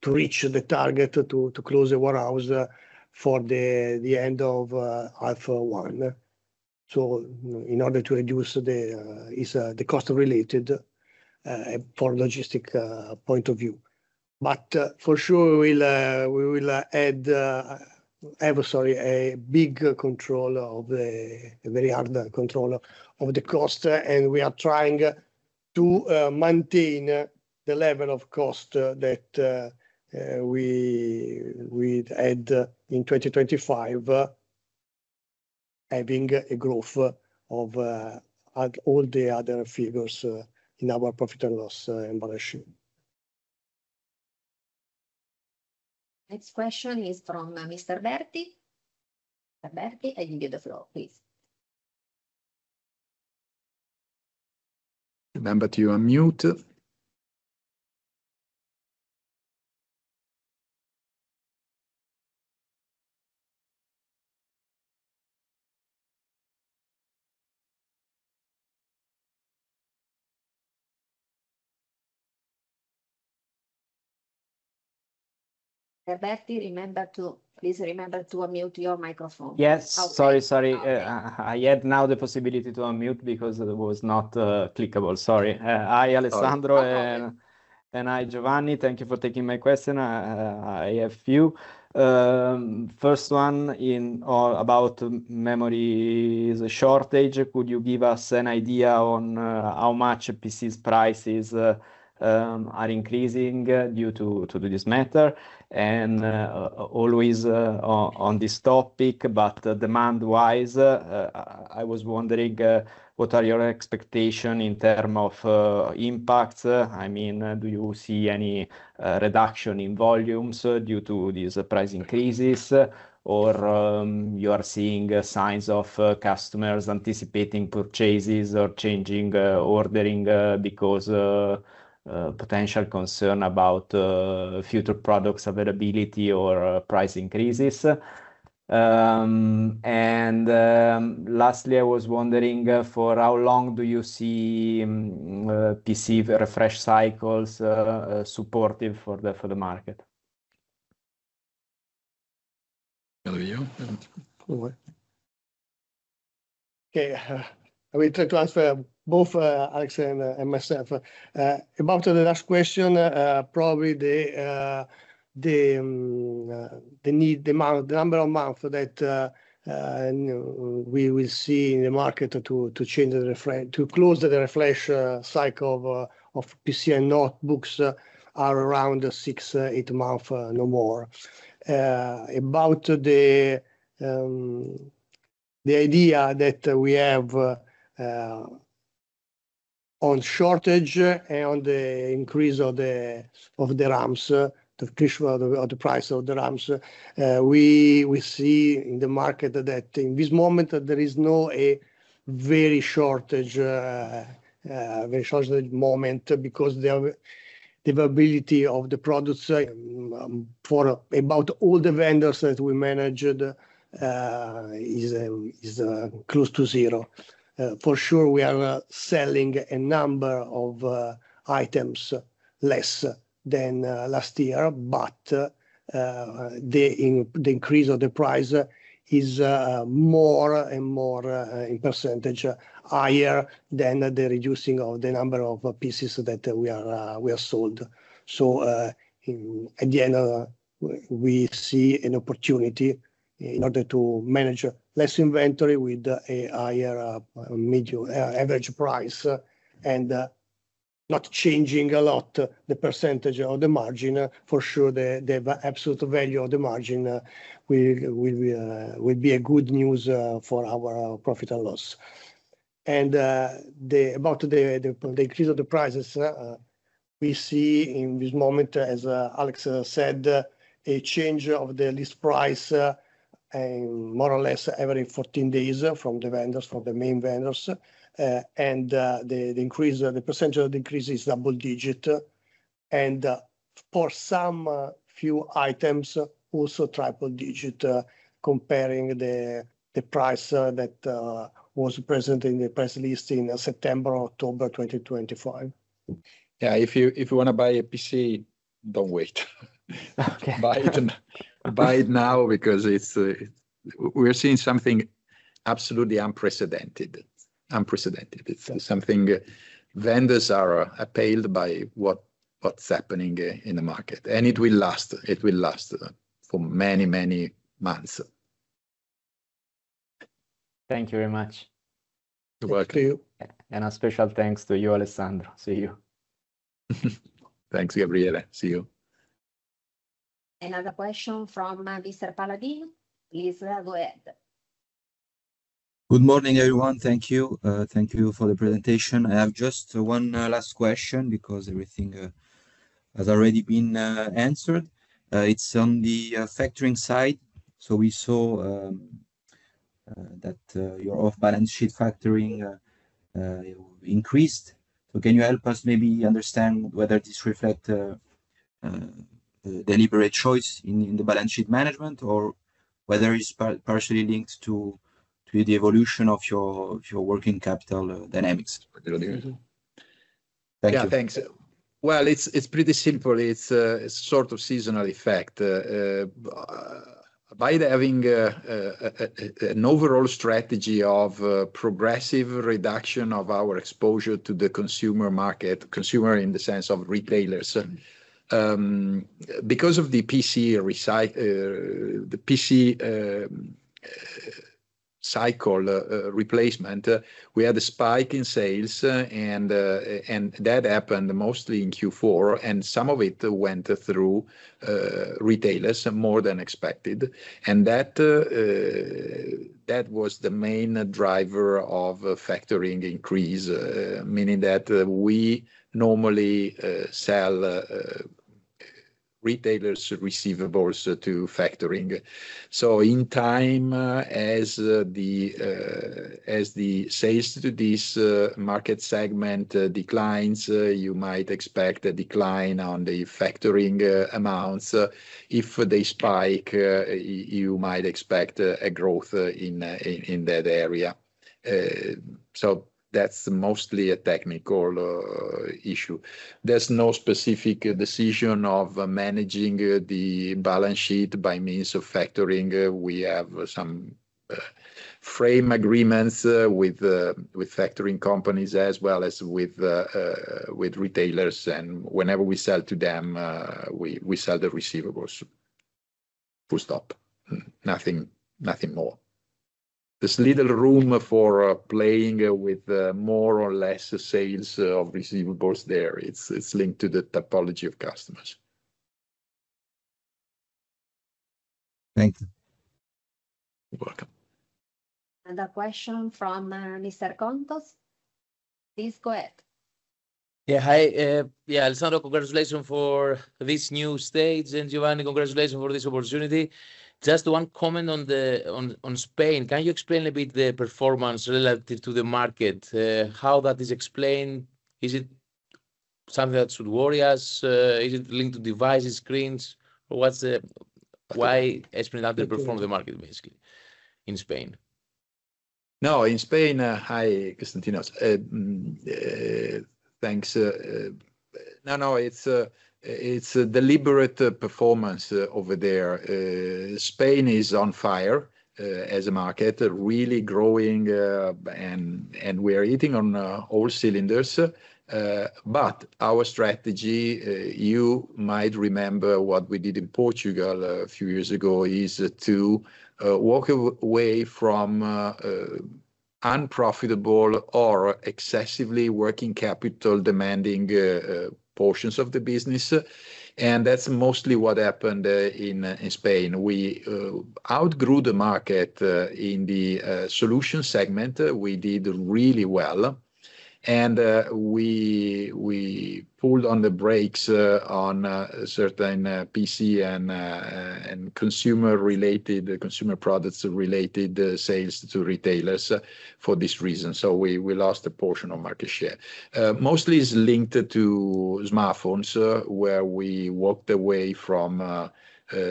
to reach the target to close the warehouse for the end of half one. In order to reduce the cost related to logistics point of view. For sure we'll have a very hard control of the cost, and we are trying to maintain the level of cost that we had in 2025, having a growth of all the other figures in our profit and loss balance sheet. Next question is from Gabriele Berti. Gabriele Berti, I give you the floor, please. Remember to unmute. Berti, please remember to unmute your microphone. Yes. Okay. Sorry. Okay. I had now the possibility to unmute because it was not clickable, sorry. Hi Sorry. Alessandro, and hi, Giovanni. Thank you for taking my question. I have few. First one or about memory shortage. Could you give us an idea on how much PC prices are increasing due to this matter? Always on this topic, but demand-wise, I was wondering what are your expectations in terms of impact? I mean, do you see any reduction in volumes due to these price increases? Or you are seeing signs of customers anticipating purchases or changing ordering because potential concern about future products availability or price increases? Lastly, I was wondering for how long do you see PC refresh cycles supportive for the market? Over to you. I will try to answer both, Alessandro and myself. About the last question, probably the need, the amount, the number or amount that we will see in the market to close the refresh cycle of PC and notebooks are around six to eight months, no more. About the idea that we have on shortage and on the increase of the price of the RAMs, we see in the market that in this moment there is no very shortage moment because the availability of the products for about all the vendors that we managed is close to zero. For sure we are selling a number of items less than last year, but the increase of the price is more and more in percentage higher than the reducing of the number of PCs that we have sold. In the end, we see an opportunity in order to manage less inventory with a higher average price, and not changing a lot the percentage of the margin. For sure the absolute value of the margin will be good news for our profit and loss. about the increase of the prices we see in this moment, as Alessandro Cattani said, a change of the list price in more or less every 14 days from the vendors, from the main vendors. The increase, the percentage increase is double-digit, and for some few items also triple-digit, comparing the price that was present in the price list in September, October 2025. Yeah, if you wanna buy a PC, don't wait. Okay. Buy it now because it's. We're seeing something absolutely unprecedented. It's something vendors are appalled by what's happening in the market. It will last for many, many months. Thank you very much. Good luck to you. A special thanks to you, Alessandro. See you. Thanks, Gabriele. See you. Another question from Mathias Paladino. Please go ahead. Good morning, everyone. Thank you. Thank you for the presentation. I have just one last question because everything has already been answered. It's on the factoring side. We saw that your off balance sheet factoring increased. Can you help us maybe understand whether this reflect deliberate choice in the balance sheet management or whether it's partially linked to the evolution of your working capital dynamics? Thank you. Yeah, thanks. Well, it's pretty simple. It's sort of seasonal effect. By having an overall strategy of progressive reduction of our exposure to the consumer market, consumer in the sense of retailers, because of the PC cycle replacement, we had a spike in sales, and that happened mostly in Q4, and some of it went through retailers more than expected, and that was the main driver of factoring increase, meaning that we normally sell retailers receivables to factoring. In time, as the sales to this market segment declines, you might expect a decline on the factoring amounts. If they spike, you might expect a growth in that area. That's mostly a technical issue. There's no specific decision of managing the balance sheet by means of factoring. We have some framework agreements with factoring companies as well as with retailers, and whenever we sell to them, we sell the receivables. Full stop. Nothing, nothing more. There's little room for playing with more or less sales of receivables there. It's linked to the typology of customers. Thank you. You're welcome. Another question from Constantinos Kontos. Please go ahead. Hi, Alessandro, congratulations for this new stage, and Giovanni, congratulations for this opportunity. Just one comment on Spain. Can you explain a bit the performance relative to the market? How that is explained? Is it something that should worry us? Is it linked to devices, screens? Why Spain underperform the market basically in Spain? No, in Spain. Hi, Constantinos. Thanks. No, it's a deliberate performance over there. Spain is on fire as a market, really growing, and we're firing on all cylinders. But our strategy, you might remember what we did in Portugal a few years ago, is to walk away from unprofitable or excessively working capital demanding portions of the business, and that's mostly what happened in Spain. We outgrew the market in the solution segment. We did really well, and we pulled on the brakes on certain PC and consumer-related consumer products related sales to retailers for this reason, so we lost a portion of market share. Mostly it's linked to smartphones, where we walked away from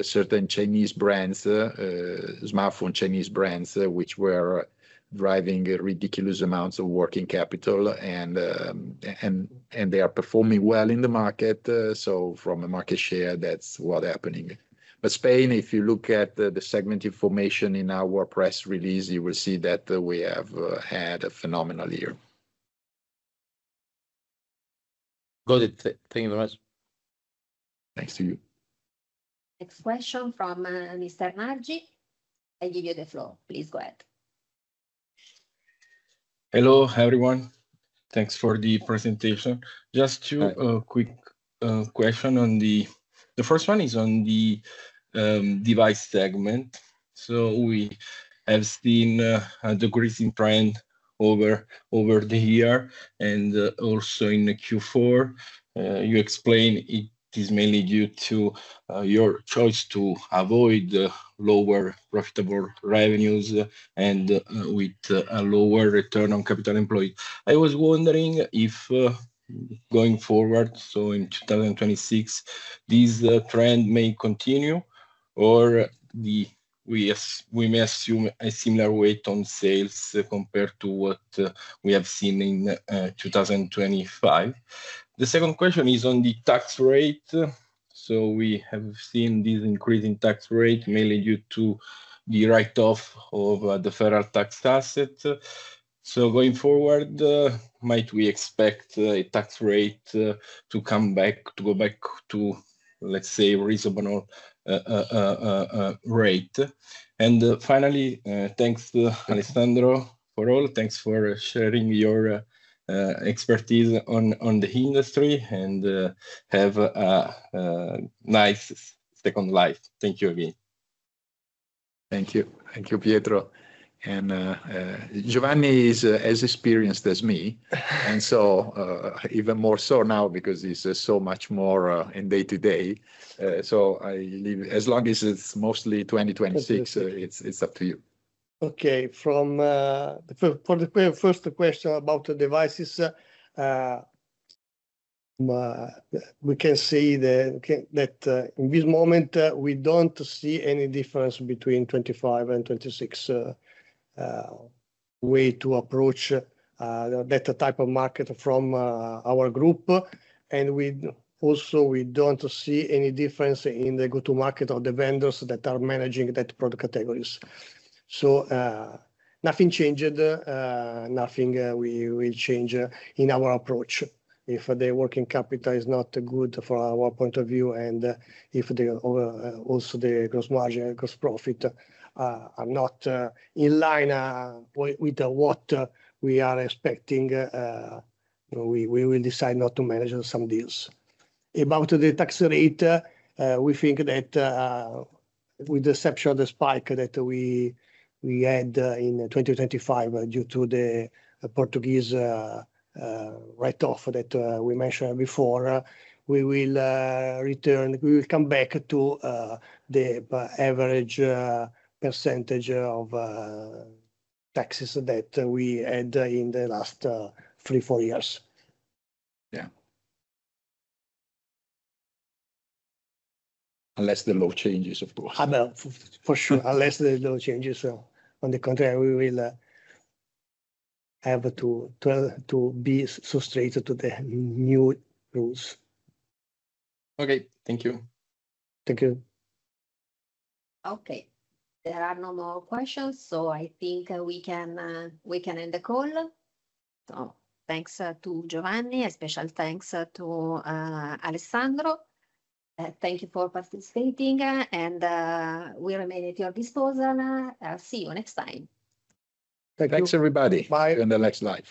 certain Chinese smartphone brands which were driving ridiculous amounts of working capital and they are performing well in the market, so from a market share, that's what's happening. Spain, if you look at the segment information in our press release, you will see that we have had a phenomenal year. Got it. Thank you very much. Thanks to you. Next question from Mr. Nargi. I give you the floor. Please go ahead. Hello, everyone. Thanks for the presentation. Just two quick question on the device segment. The first one is on the device segment. We have seen a decreasing trend over the year and also in the Q4. You explained it is mainly due to your choice to avoid the less profitable revenues and with a lower return on capital employed. I was wondering if going forward, so in 2026, this trend may continue, or we may assume a similar weight on sales compared to what we have seen in 2025. The second question is on the tax rate. We have seen this increase in tax rate mainly due to the write-off of the deferred tax asset. Going forward, might we expect a tax rate to come back. To go back to, let's say, reasonable rate? Finally, thanks to Alessandro for all. Thanks for sharing your expertise on the industry and have a nice second life. Thank you again. Thank you. Thank you, Pietro. Giovanni is as experienced as me. Even more so now because he's so much more in day-to-day. I leave. As long as it's mostly 2026. Okay It's up to you. From the first question about the devices, we can see that in this moment we don't see any difference between 2025 and 2026 way to approach that type of market from our group. We also don't see any difference in the go-to-market or the vendors that are managing that product categories. Nothing changed. Nothing we will change in our approach. If the working capital is not good from our point of view and if also the gross margin, gross profit are not in line with what we are expecting, we will decide not to manage some deals. About the tax rate, we think that, with the exception of the spike that we had in 2025 due to the Portuguese write-off that we mentioned before, we will come back to the average percentage of taxes that we had in the last 3-4 years. Yeah. Unless the law changes, of course. For sure. Unless the law changes. On the contrary, we will have to be subjugated to the new rules. Okay. Thank you. Thank you. Okay. There are no more questions, so I think we can end the call. Thanks to Giovanni. A special thanks to Alessandro. Thank you for participating, and we remain at your disposal. I'll see you next time. Thanks everybody. Bye. In the next lives.